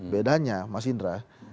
bedanya mas indra